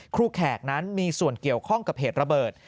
แขกนั้นมีส่วนเกี่ยวข้องกับเหตุระเบิด